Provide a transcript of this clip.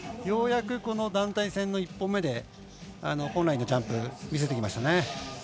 ようやく、この団体戦の１本目で、本来のジャンプ見せてきましたね。